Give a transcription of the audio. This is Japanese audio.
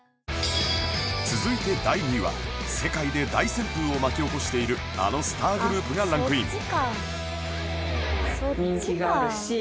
続いて第２位は世界で大旋風を巻き起こしているあのスターグループがランクイン